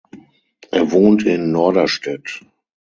Er wohnt in Norderstedt.